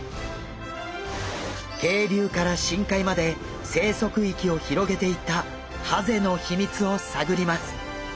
渓流から深海まで生息域を広げていったハゼの秘密を探ります。